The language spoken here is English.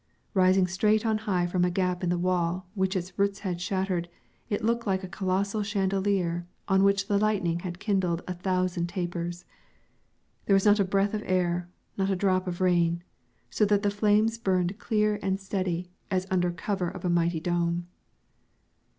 Rising straight on high from a gap in the wall which its roots had shattered, it looked a colossal chandelier on which the lightning had kindled a thousand tapers. There was not a breath of air, not a drop of rain, so that the flames burned clear and steady as under cover of a mighty dome.